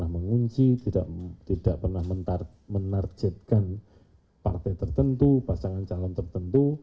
mengunci tidak pernah menarjetkan partai tertentu pasangan calon tertentu